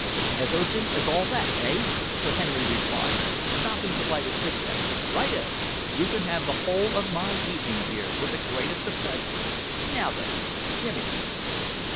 "As urgent as all that, eh?" Sir Henry replied, stopping to light a cigarette. "Righto! You can have the whole of my evening, dear, with the greatest of pleasure. Now then, Jimmy!"